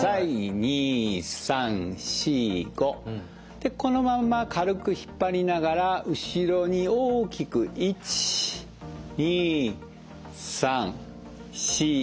でこのまんま軽く引っ張りながら後ろに大きく１２３４５。